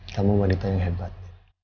kamu wanita yang hebat